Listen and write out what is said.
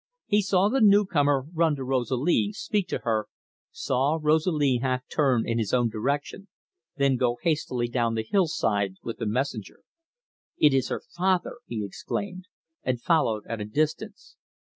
He saw the new comer run to Rosalie, speak to her, saw Rosalie half turn in his own direction, then go hastily down the hillside with the messenger. "It is her father!" he exclaimed, and followed at a distance.